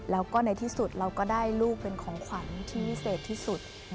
แล้วก็ในที่สุดเราก็ได้ลูกเป็นของขวัญที่วิเศษที่สุด